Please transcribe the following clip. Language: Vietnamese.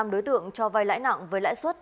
năm đối tượng cho vai lãi nặng với lãi suất